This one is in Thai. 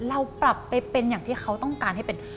เราปรับไปเป็นอย่างที่เขาต้องการให้เป็น